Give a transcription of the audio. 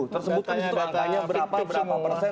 datanya datanya fiktif semua